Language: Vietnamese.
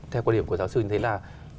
theo quan điểm của giáo sư như thế là